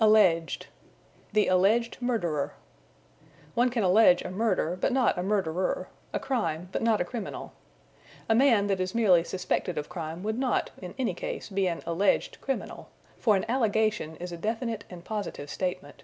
Alleged. "The alleged murderer." One can allege a murder, but not a murderer; a crime, but not a criminal. A man that is merely suspected of crime would not, in any case, be an alleged criminal, for an allegation is a definite and positive statement.